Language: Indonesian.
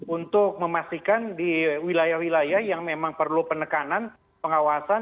untuk memastikan di wilayah wilayah yang memang perlu penekanan pengawasan